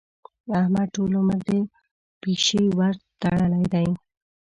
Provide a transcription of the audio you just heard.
احمد ټول عمر د پيشي ورتړلې دي.